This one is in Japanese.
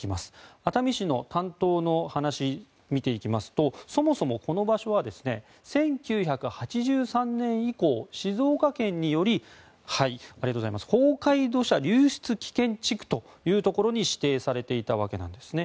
熱海市の担当の話を見ていきますとそもそもこの場所は１９８３年以降静岡県により崩壊土砂流出危険地区というところに指定されていたわけなんですね。